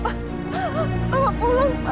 selamat pulang pak